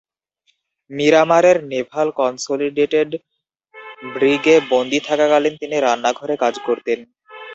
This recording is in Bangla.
মিরামারের নেভাল কনসোলিডেটেড ব্রিগে বন্দী থাকাকালীন তিনি রান্নাঘরে কাজ করতেন।